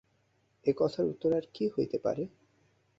এ কথার উত্তর আর কী হইতে পারে।